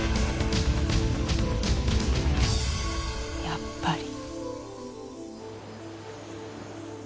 やっぱり。